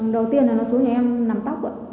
đầu tiên là nó xuống nhà em nằm tóc ạ